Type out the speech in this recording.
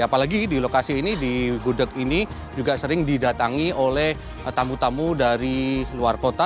apalagi di lokasi ini di gudeg ini juga sering didatangi oleh tamu tamu dari luar kota